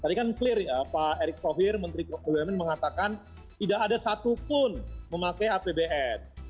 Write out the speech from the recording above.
tadi kan clear ya pak erick thohir menteri bumn mengatakan tidak ada satupun memakai apbn